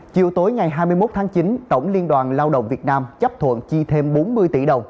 chiều tối ngày hai mươi một tháng chín tổng liên đoàn lao động việt nam chấp thuận chi thêm bốn mươi tỷ đồng